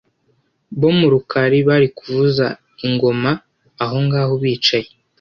bo murukari bari kuvuza ingoma ahongaho bicaye.